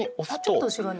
ちょっと後ろに。